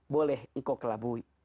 boleh engkau kelabui